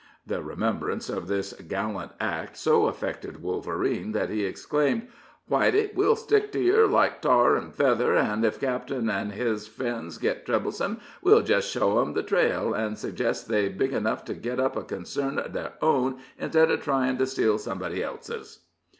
The remembrance of this gallant act so affected Wolverine, that he exclaimed: "Whitey, we'll stick to yer like tar an' feather, an' ef cap'n an' his friends git troublesome we'll jes' show 'em the trail, an' seggest they're big enough to git up a concern uv their own, instid of tryin' to steal somebody else's."